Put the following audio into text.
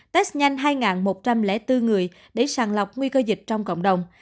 test nhanh hai một trăm linh bốn người để sàng lọc nguy cơ dịch trong cộng đồng